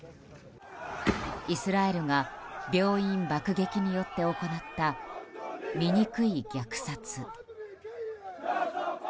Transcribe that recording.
イスラエルが病院爆撃によって行った醜い虐殺。